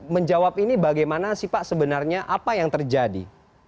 menjawab ini bagaimana sih pak sebenarnya apa yang terjadi